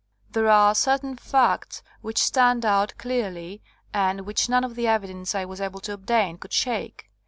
There are certain facts which stand out clearly and which none of the evidence I was able to obtain could shake.